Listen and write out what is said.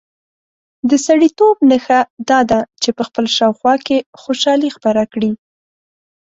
د سړیتوب نښه دا ده چې په خپل شاوخوا کې خوشالي خپره کړي.